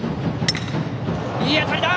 いい当たりだ！